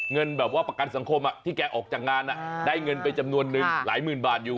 เงินแบบว่าประกันสังคมที่แกออกจากงานได้เงินไปจำนวนนึงหลายหมื่นบาทอยู่